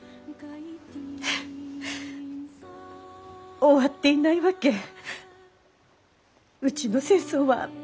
終わっていないわけうちの戦争は。